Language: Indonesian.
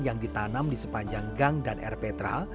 yang ditanam di sepanjang gang dan rptra